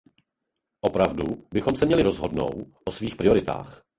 Opravdu bychom se měli rozhodnou o svých prioritách.